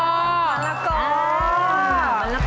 อาระกอดิบาลวัน๙อาระกอ